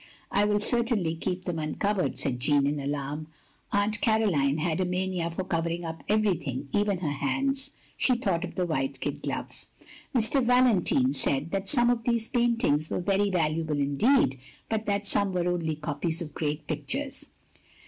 "I will certainly keep them uncovered," said Jeanne, in alarm. "Aunt Caroline had a mania for covering up everything, even her hands"; she thought of the white kid gloves. " Mr. Valen. tine said that some of these paintings were very valuable indeed, but that some were only copies of great pictures.